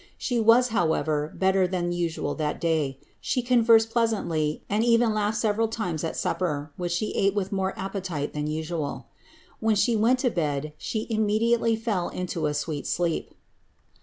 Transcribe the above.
She was, however, better than usual that day ; she conversed pleasantly, and even laughed several times at supper, which she ate with more appetite tlian usimI. When she went to bed she inmiediately fell into a sweet sleep.''